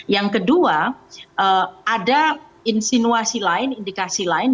yang kedua ada insinuasi lain indikasi lain